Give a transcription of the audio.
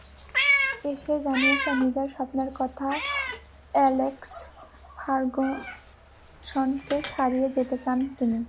এসেই জানিয়েছেন নিজের স্বপ্নের কথা, অ্যালেক্স ফার্গুসনকে ছাড়িয়ে যেতে চান তিনি।